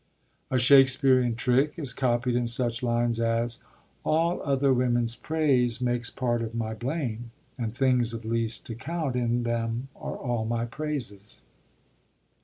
A Shakespearean trick is copied in such lines as: All other women's praise Makes part of my blame, and things of least account In them are all my praises.